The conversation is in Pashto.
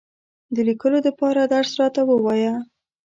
د لیکلو دپاره درس راته ووایه !